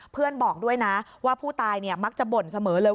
บอกด้วยนะว่าผู้ตายมักจะบ่นเสมอเลย